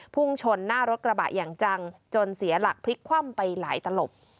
พุ่งชนหน้ารถกระบะอย่างจังจนเสียหลักพลิกคว่ำไปหลายตลบ